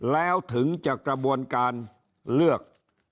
แล้วถึงจะกระบวนการเลือก